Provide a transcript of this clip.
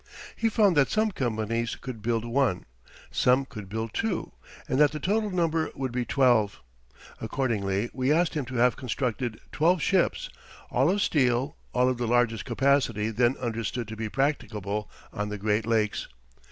He found that some companies could build one, some could build two, and that the total number would be twelve. Accordingly we asked him to have constructed twelve ships, all of steel, all of the largest capacity then understood to be practicable on the Great Lakes.